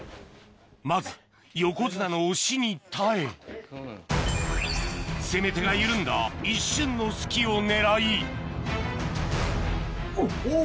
まず横綱の押しに耐え攻め手が緩んだ一瞬の隙を狙いおっ！